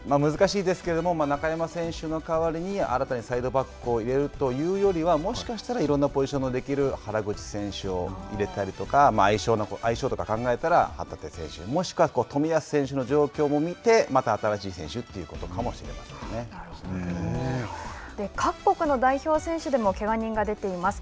難しいですけれども、中山選手の代わりに新たにサイドバックを入れるというよりは、もしかしたら、いろんなポジションのできる原口選手を入れたりとか、相性とかを考えたら、旗手選手、もしくは冨安選手の状況も見て、また新しい選手ということかもしれませ各国の代表選手でも、けが人が出ています。